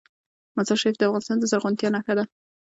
مزارشریف د افغانستان د زرغونتیا نښه ده.